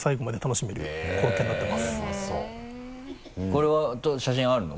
これは写真あるの？